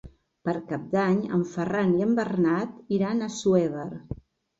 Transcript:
Per Cap d'Any en Ferran i en Bernat iran a Assuévar.